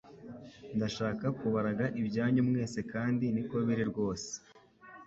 ndashaka ku baraga ibya nyu mwese kandi niko biri rwose